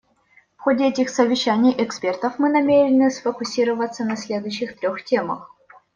В ходе этих совещаний экспертов мы намерены сфокусироваться на следующих трех темах.